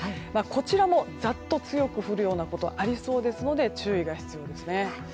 こちらもざっと強く降るようなことありそうですので注意が必要ですね。